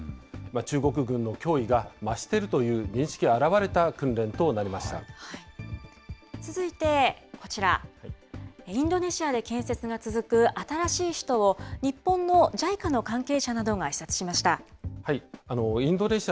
中国軍の脅威が増しているという認識があらわれた訓練となりまし続いてこちら、インドネシアで建設が続く新しい首都を、日本のＪＩＣＡの関係者などが視察しインドネシア